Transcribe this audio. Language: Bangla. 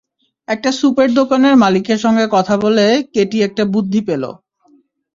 একটা সুপের দোকানের মালিকের সঙ্গে কথা বলে কেটি একটা বুদ্ধি পেল।